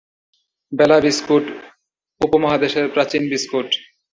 বেলা biscuit উপমহাদেশের প্রাচীন biscuit.